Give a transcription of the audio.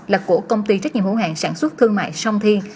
là của công ty trách nhiệm hữu hạng sản xuất thương mại sông thiên